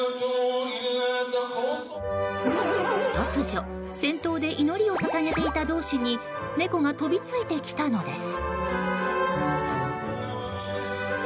突如、先頭で祈りを捧げていた導師に猫が飛びついてきたのです。